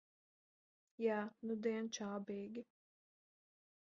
Jā, nudien čābīgi.